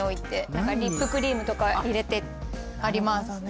リップクリームとか入れてあります。